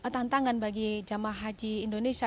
tantangan bagi jamaah haji indonesia